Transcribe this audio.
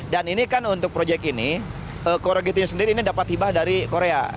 dan ini kan untuk proyek ini corrugated steel ini dapat tiba dari korea